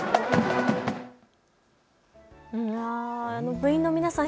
部員の皆さん